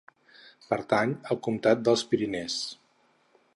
Pertany al comtat dels Pyrenees.